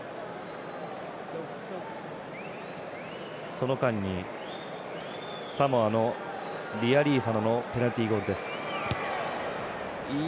その間にサモアのリアリーファノのペナルティゴールです。